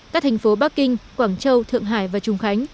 các thành phố bắc kinh quảng châu thượng hải và trung khánh